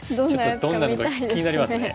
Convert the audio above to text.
ちょっとどんなのか気になりますね。